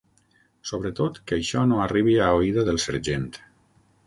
Sobretot, que això no arribi a oïda del sergent.